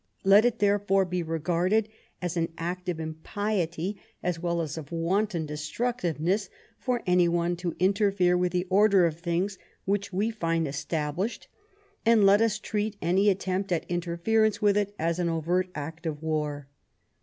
Let it, therefore, be regarded as an act of impiety as well as of wanton destructiveness for any one to interfere with the order of things which we find established, and let us treat any attempt at interfer ence with it as an overt act of war."